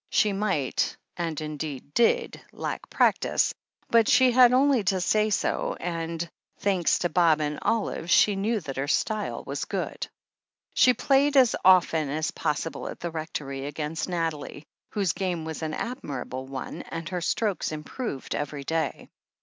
She might, and indeed did, 282 THE HEEL OF ACHILLES lack practice, but she had only to say so, and thanks to Bob and Olive, she knew that her style was good. She played as often as possible at th^ Rectory against Nathalie, whose game was an admirable one, and her strokes improved every day.